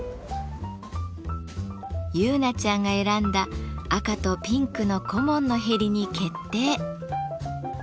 結菜ちゃんが選んだ赤とピンクの小紋のへりに決定。